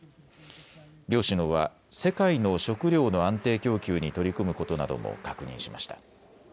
両首脳は世界の食料の安定供給に取り組むことなども確認しました。